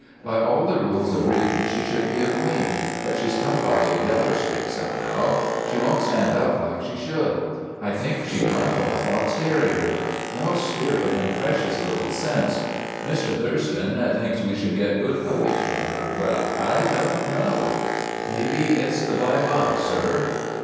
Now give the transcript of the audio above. " By all the rules o' breedin' she should be a queen. But she 's come by a yeller streak somehow. She won't stand up like she should. I think she 'd run from a fox ter rier. No spirit and precious little sense. Mr. Thurston thinks we should get good puppies from her, but I don't know. May be it 's the black eye, sir.'